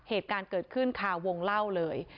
เหตุการณ์เกิดขึ้นคาวงเล่าเลย